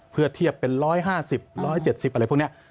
เพื่อเทียบเป็น๑๕๐๑๗๐อะไรพวกนี้